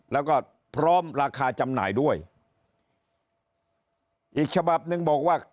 แล้วก็พร้อมราคาจำหน่ายด้วยอีกฉบับหนึ่งบอกว่า